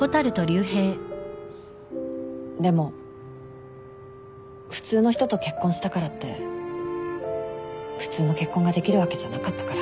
でも普通の人と結婚したからって普通の結婚ができるわけじゃなかったから。